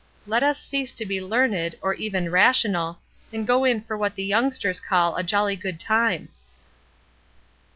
Let us cease to be learned, or even rational, and go in for what the youngsters call ^A jolly good time.